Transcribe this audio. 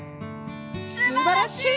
「すばらしい！」